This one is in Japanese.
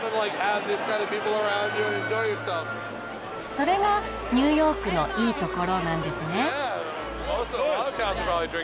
それがニューヨークのいいところなんですね。